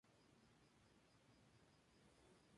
Su puesto de mando se encontraba en las Minas de Santa Quiteria.